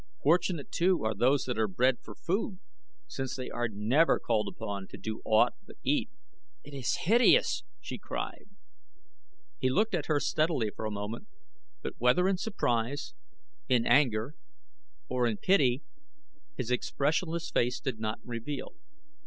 Fortunate, too, are those that are bred for food, since they are never called upon to do aught but eat." "It is hideous!" she cried. He looked at her steadily for a moment, but whether in surprise, in anger, or in pity his expressionless face did not reveal.